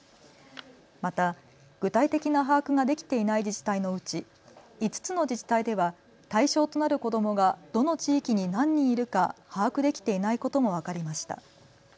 また具体的な把握ができていない自治体のうち、５つの自治体では対象となる子どもが、どの地域に何人いるか把握できていないことも分かりました。